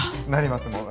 なります。